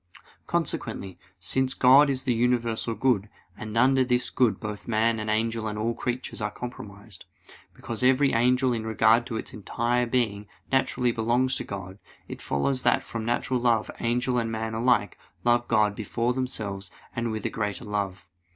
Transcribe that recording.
Consequently, since God is the universal good, and under this good both man and angel and all creatures are comprised, because every creature in regard to its entire being naturally belongs to God, it follows that from natural love angel and man alike love God before themselves and with a greater love.